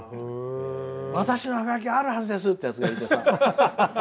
私のハガキがあるはずですってやつがいてさ。